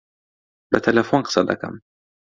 بە تەلەفۆن قسە دەکەم.